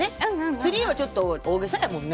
ツリーはちょっと大げさやもんね。